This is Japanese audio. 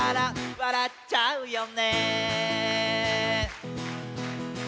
「笑っちゃうよね」